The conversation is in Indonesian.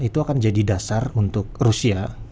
itu akan jadi dasar untuk rusia